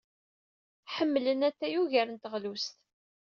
Ḥemmlen atay ugar n teɣlust.